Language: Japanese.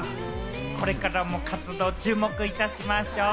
これからも活動、注目いたしましょう。